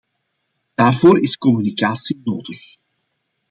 Daarvoor is communicatie nodig.